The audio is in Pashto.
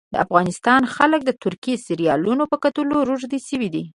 د افغانستان خلک د ترکي سیریالونو په کتلو روږدي سوي دي